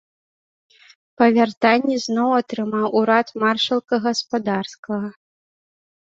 Па вяртанні зноў атрымаў урад маршалка гаспадарскага.